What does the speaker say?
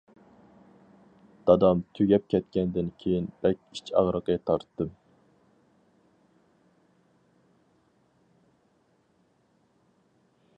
دادام تۈگەپ كەتكەندىن كېيىن بەك ئىچ ئاغرىقى تارتتىم.